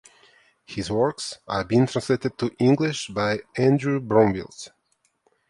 His works are being translated to English by Andrew Bromfield.